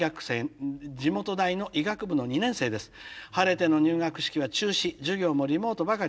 晴れての入学式は中止授業もリモートばかり。